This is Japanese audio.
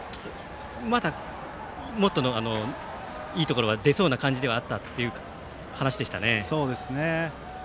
もっといいところが出そうな感じではあったという話でしたね。